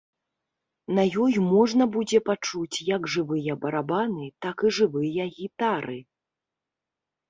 На ёй можна будзе пачуць як жывыя барабаны, так і жывыя гітары.